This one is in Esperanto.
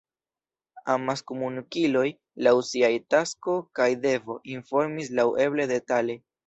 Amaskomunikiloj, laŭ siaj tasko kaj devo, informis laŭeble detale.